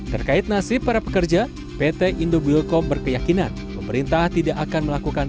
terkait nasib para pekerja pt indobilcop berkeyakinan pemerintah tidak akan melakukan